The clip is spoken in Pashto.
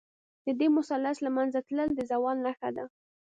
د دې مثلث له منځه تلل، د زوال نښه ده.